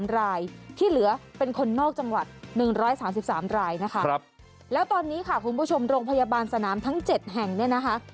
รายที่เหลือเป็นคนนอกจังหวัด๑๓๓รายนะคะแล้วตอนนี้ค่ะคุณผู้ชมโรงพยาบาลสนามทั้ง๗แห่งเนี่ยนะคะ